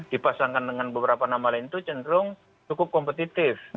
dipasangkan dengan beberapa nama lain itu cenderung cukup kompetitif